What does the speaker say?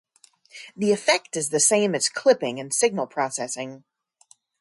The effect is the same as clipping in signal processing.